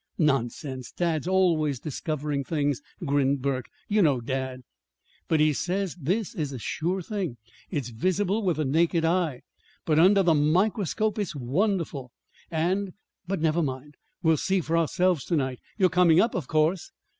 "Nonsense! Dad's always discovering things," grinned Burke. "You know dad." "But he says this is a sure thing. It's visible with the naked eye; but under the microscope it's wonderful. And But, never mind! We'll see for ourselves to night. You're coming up, of course."